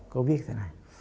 có viết thế này